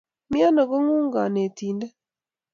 Mi ano konguuk konetindet